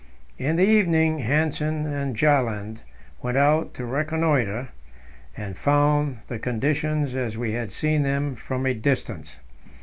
In the evening Hanssen and Bjaaland went out to reconnoitre, and found the conditions as we had seen them from a distance.